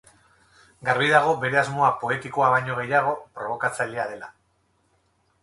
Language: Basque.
Garbi dago bere asmoa poetikoa baino gehiago, probokatzailea dela.